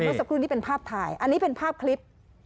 สักครู่นี้เป็นภาพถ่ายอันนี้เป็นภาพคลิป